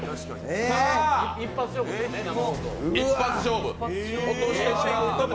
一発勝負。